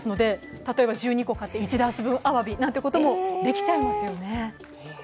例えば１２個買って１ダース分、あわびということもできちゃいますよね。